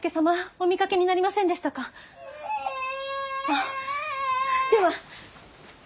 ・ああでは。